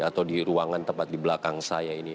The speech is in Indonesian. atau di ruangan tepat di belakang saya ini